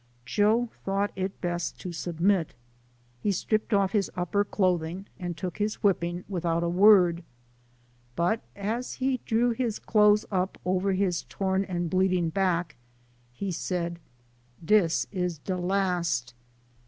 Joe thought it best to submit. He stripped off his upper clothing, and took his whipping without a word ; but as he drew his clothes up over his torn and bleeding back, he said, " Dis is de last